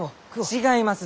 違います